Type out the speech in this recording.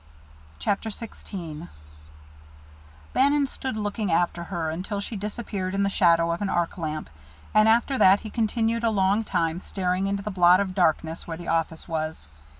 CHAPTER XVI Bannon stood looking after her until she disappeared in the shadow of an arc lamp, and after that he continued a long time staring into the blot of darkness where the office was.